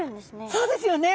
そうですよね。